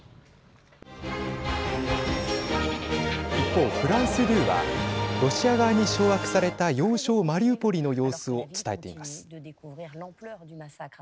一方、フランス２はロシア側に掌握された要衝マリウポリの様子を伝えています。